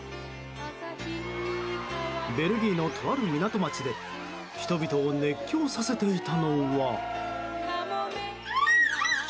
ベルギーのとある港町で人々を熱狂させていたのは。